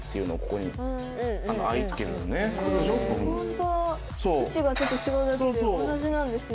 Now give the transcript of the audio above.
あっホント位置がちょっと違うだけで同じなんですね。